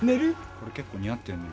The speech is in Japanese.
これ結構似合ってるね。